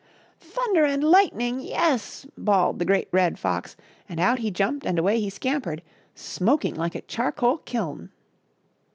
" Thunder and lightning, yes T bawled the Great Red Fox, and out he jumped and away he scampered, smoking like a charcoal kiln.